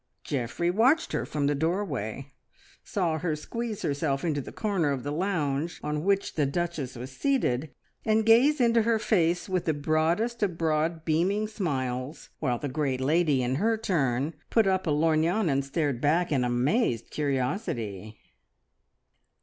Geoffrey watched her from the doorway, saw her squeeze herself into the corner of the lounge on which the Duchess was seated, and gaze into her face with the broadest of broad beaming smiles, while the great lady, in her turn, put up a lorgnon and stared back in amazed curiosity.